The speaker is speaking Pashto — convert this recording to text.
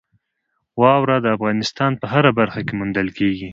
واوره د افغانستان په هره برخه کې موندل کېږي.